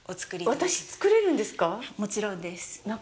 私、作れるんですか？